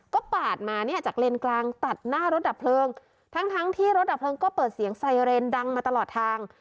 ก็ปาดมาเนี่ยจากเลนกลางตัดหน้ารถดับเพลิงทั้งทั้งที่รถดับเพลิงก็เปิดเสียงไซเรนดังมาตลอดทาง